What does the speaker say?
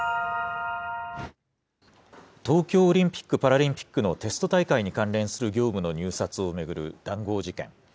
東京オリンピック・パラリンピックのテスト大会に関連する業務の入札を巡る談合事件。